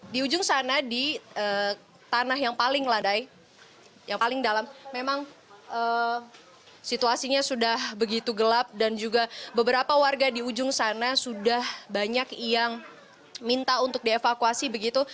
di ujung sana di tanah yang paling ladai yang paling dalam memang situasinya sudah begitu gelap dan juga beberapa warga di ujung sana sudah banyak yang minta untuk dievakuasi begitu